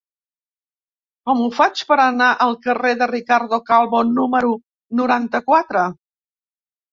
Com ho faig per anar al carrer de Ricardo Calvo número noranta-quatre?